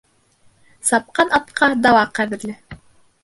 Сапҡан атҡа дала ҡәҙерле